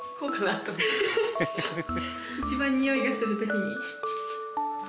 一番においがするときに。